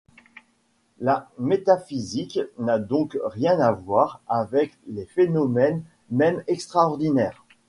La métaphysique n'a donc rien à voir avec les phénomènes même extraordinaires.